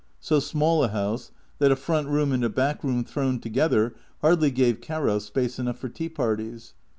So small a house that a front room and a hack room thrown together hardly gave Caro space enough for tea parties.